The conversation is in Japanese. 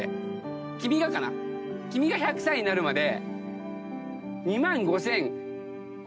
君が１００歳になるまで。